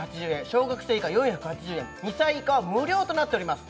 小学生以下４８０円２歳以下は無料となっております